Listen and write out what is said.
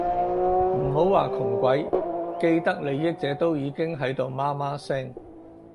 唔好話窮鬼，既得利益者都已經喺度媽媽聲